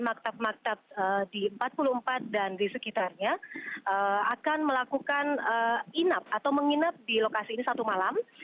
maktab maktab di empat puluh empat dan di sekitarnya akan melakukan inap atau menginap di lokasi ini satu malam